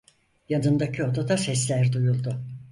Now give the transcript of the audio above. Yanındaki odada sesler duyuldu.